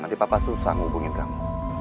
nanti papa susah menghubungin kamu